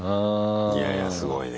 いやいやすごいね。